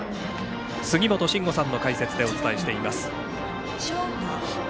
杉本真吾さんの解説でお伝えしています。